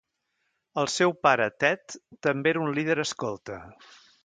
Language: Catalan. El seu pare Ted també era un líder escolta.